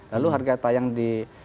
lalu harga tayang di